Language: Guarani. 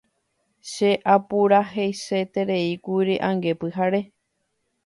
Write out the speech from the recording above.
Che apuraheisetereíkuri ange pyhare.